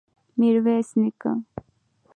ميرويس نيکه!